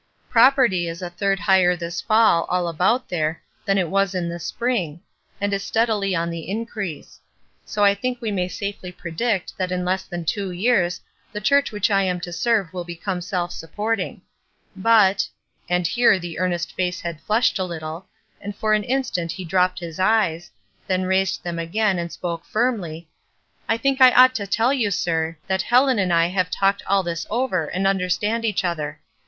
Property is a third higher this fall all about there than it was in the spring, and is steadily on the in crease; so I think we may safely predict that in less than two years the church which I am to serve will become self supporting. But —" and here the earnest face had flushed a Uttle, 26' ESTER RIED'S NAMESAKE and for an instant he had dropped his eyes, then raised them again and spoke firmly, "I think I ought to tell you, sir, that Helen and I have talked all this over and understand each other.